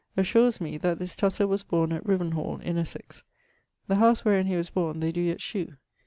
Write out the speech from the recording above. assures me, that this Tusser was borne at Riven hall in Essex. The howse wherein he was borne they doe yet shew.